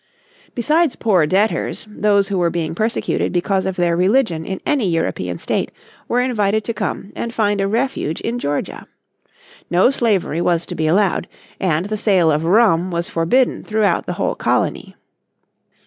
Besides poor debtors those who were being persecuted because of their religion in any European State were invited to come and find a refuge in Georgia. No slavery was to be allowed, and the sale of rum was forbidden throughout the whole colony.